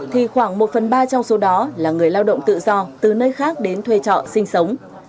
thì khoảng một phần ba trong số đó là người lao động tự do từ nơi khác đến thuê trọ sinh sống